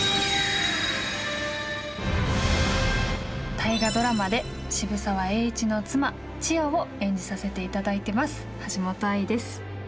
大河ドラマで渋沢栄一の妻千代を演じさせて頂いてます橋本愛です。